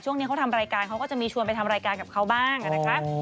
ช่วงนี้เขาทำรายการเขาก็จะมีชวนไปทำรายการกับเขาบ้างนะคะ